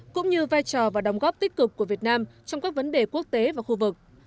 cũng như vai trò và đóng góp tích cực của việt nam trong các vấn đề quốc tế và khu vực